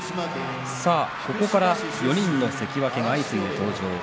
ここから４人の関脇が相次いで登場します。